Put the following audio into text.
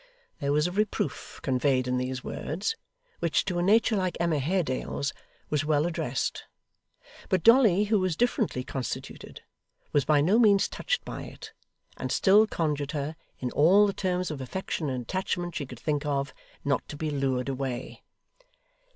There was a reproof conveyed in these words, which to a nature like Emma Haredale's, was well addressed. But Dolly, who was differently constituted, was by no means touched by it, and still conjured her, in all the terms of affection and attachment she could think of, not to be lured away.